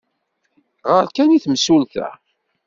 Ɣer kan i temsulta.